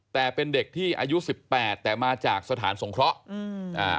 แต่เป็นเด็กที่อายุ๑๘แต่มาจากสถานสงเคราะห์